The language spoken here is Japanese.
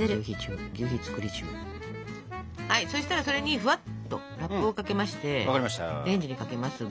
そしたらそれにふわっとラップをかけましてレンジにかけますが。